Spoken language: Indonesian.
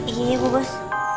iya bu bos